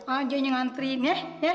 mau jahit nganterin ya